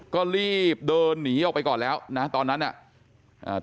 ก็รีบเดินหนีออกไปก่อนแล้วนะตอนนั้นอ่ะอ่า